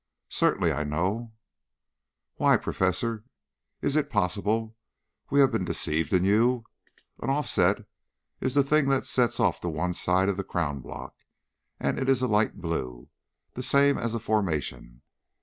"Certainly, I know " "Why, Professor! Is it possible we have been deceived in you? An offset is the thing that sets off to one side of the crown block and it's a light blue, the same as a formation.